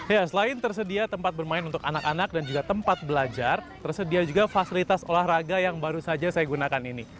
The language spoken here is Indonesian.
ya selain tersedia tempat bermain untuk anak anak dan juga tempat belajar tersedia juga fasilitas olahraga yang baru saja saya gunakan ini